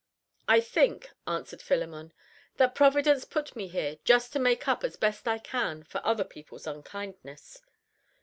"I think," answered Philemon, "that Providence put me here just to make up as best I can for other people's unkindness."